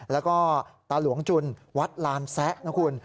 แล้วก็ตาหลวงจุนวัดลานแซะนะคุณ